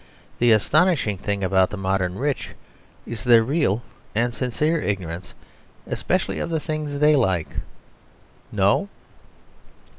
The astonishing thing about the modern rich is their real and sincere ignorance especially of the things they like. No!